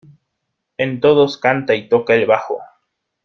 En todos canta y toca el bajo.